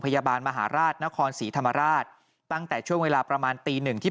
พยาบาลมหาราชนครศรีธรรมราชตั้งแต่ช่วงเวลาประมาณตี๑ที่